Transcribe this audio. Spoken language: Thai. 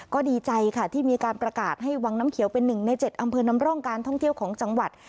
ก็ดีใจค่ะที่มีการประกาศให้วังน้ำเขียวเป็น๑ใน๗อำเภอนำร่องการท่องเที่ยวของจังหวัด